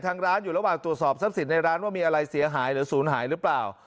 ทางร้านอยู่ระหว่างตรวจสอบทรัพย์สินในร้านว่ามีอะไรเสียหายหรือศูนย์หายหรือเปล่า